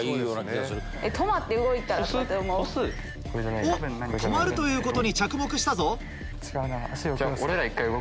おっ止まるということに着目したぞ。